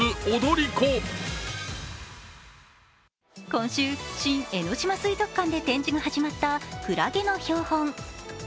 今週、新江ノ島水族館で展示が始まったクラゲの標本。